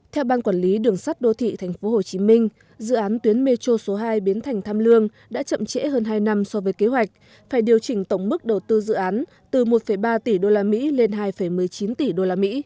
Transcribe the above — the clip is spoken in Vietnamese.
theo ban quản lý đường sắt đô thị tp hcm dự án tuyến metro số hai biến thành tham lương đã chậm trễ hơn hai năm so với kế hoạch phải điều chỉnh tổng mức đầu tư dự án từ một ba tỷ usd lên hai một mươi chín tỷ usd